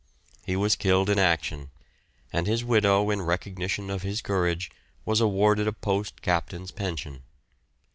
He was killed in action, and his widow, in recognition of his courage, was awarded a Post Captain's pension.